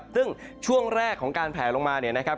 ซึ่งช่วงแรกของการแผลลงมาด้านไหน